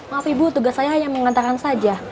maaf ibu tugas saya hanya mengantarkan saja